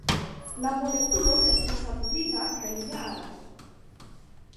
La molekulo estas saturita kaj lineara.